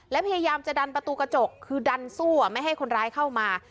และพยายามจะดันประตูกระจกคือดันสู้ไม่ให้คนร้ายเข้ามา